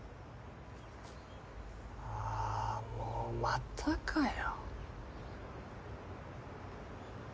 あもうまたかよ。